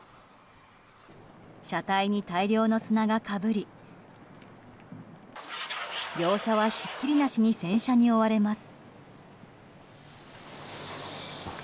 車体に大量の砂がかぶり業者はひっきりなしに洗車に追われます。